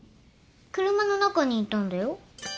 車の中にいたんだよ。